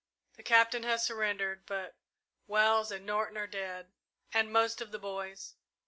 The Captain has surrendered, but Wells and Norton are dead and most of the boys.